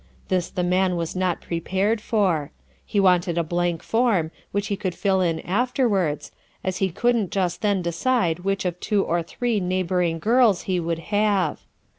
This the man was not prepared for. He wanted a blank form, which he could fill in afterwards, as he couldn't just then decide which of two or three neighboring girls he would have.